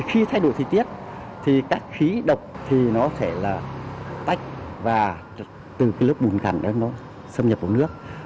khi thay đổi thị tiết các khí độc sẽ tách và từ lớp bùn cẳng nó xâm nhập vào nước